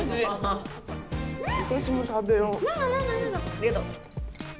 ありがとう。